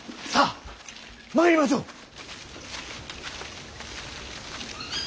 さあ参りましょう！